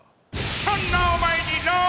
そんなお前に朗報！